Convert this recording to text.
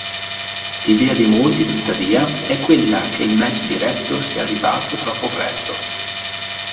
L’idea di molti, tuttavia, è quella che il match diretto sia arrivato troppo presto.